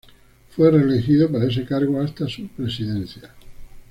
Fue reelegido para ese cargo hasta su presidencia.